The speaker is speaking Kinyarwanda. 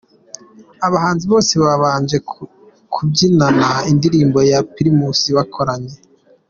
Abahanzi bose babanje kubyinana indirimbo ya Primus bakoranye.